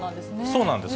そうなんです。